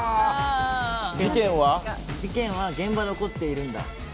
事件は現場で起こってるんだ。